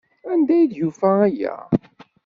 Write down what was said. Anda ay d-yufa aya?